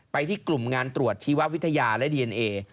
ที่กลุ่มงานตรวจชีววิทยาและดีเอนเอ